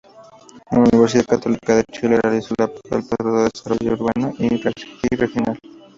En la Universidad Católica de Chile realizó un posgrado en Desarrollo Urbano y Regional.